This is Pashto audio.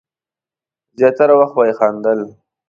زیاتره وخت به یې خندل.